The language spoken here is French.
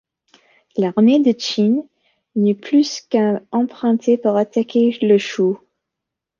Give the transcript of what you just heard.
L'armée de Qin n'eut plus qu'à l'emprunter pour attaquer le Shu.